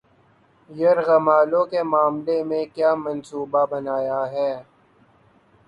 یرغمالوں کے معاملے میں کیا منصوبہ بنایا ہے